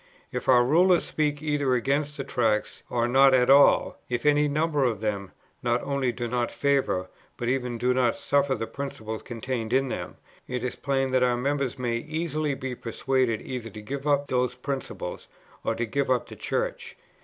If our rulers speak either against the Tracts, or not at all, if any number of them, not only do not favour, but even do not suffer the principles contained in them, it is plain that our members may easily be persuaded either to give up those principles, or to give up the Church.